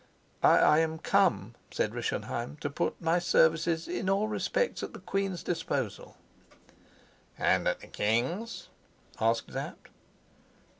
"I am come," said Rischenheim, "to put my services in all respects at the queen's disposal." "And at the king's?" asked Sapt.